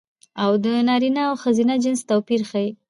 او د نرينه او ښځينه جنس توپير ښيي